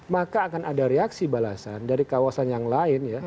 maka akan ada reaksi balasan dari kawasan yang lain ya